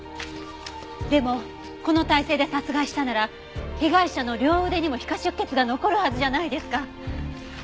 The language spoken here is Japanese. でもこの体勢で殺害したなら被害者の両腕にも皮下出血が残るはずじゃないですか。